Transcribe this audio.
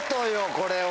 これは。